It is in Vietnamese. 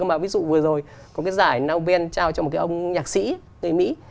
nhưng mà ví dụ vừa rồi có cái giải nau ven trao cho một cái ông nhạc sĩ người mỹ